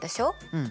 うん。